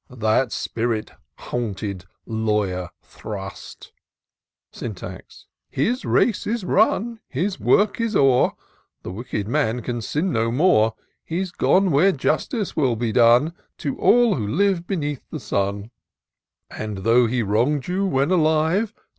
" That spirit haunted Lawyer Thrust'' Syntax. " His race is run, his work is o'er — The wicked man can sin no more ; He's gone where justice will be done To all who live beneath the sun : And, though he wrong'ii you when alive.